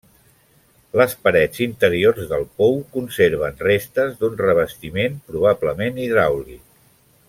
Les parets interiors del pou conserven restes d'un revestiment probablement hidràulic.